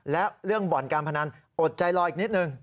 และเรื่องบ่อนการพนันอดใจรออีกนิดนึง